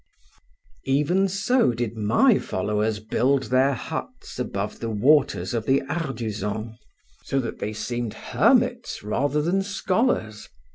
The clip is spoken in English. Even so did my followers build their huts above the waters of the Arduzon, so that they seemed hermits rather than scholars.